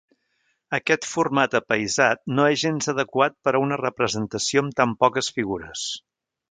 Aquest format apaïsat no és gens adequat per a una representació amb tan poques figures.